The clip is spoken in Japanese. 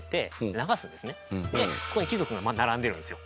でそこに貴族が並んでるんですよ。